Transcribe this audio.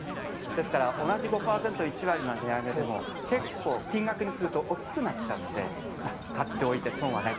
ですから、同じ５％１割の値上げでも、結構、金額にすると大きくなっちゃうので、買っておいて損はない。